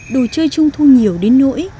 đồ chơi trung thu nhiều đến nỗi